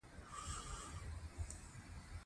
د هغوی د وجي نه د اوبو دا لوی بند په دوی باندي